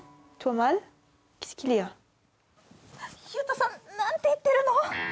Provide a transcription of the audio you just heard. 佑都さん、何て言ってるの？